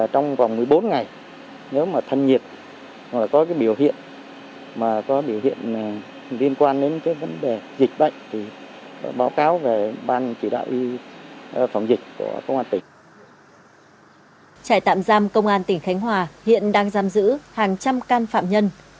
trải tạm giam công an tỉnh khánh hòa hiện đang giam giữ hàng trăm can phạm nhân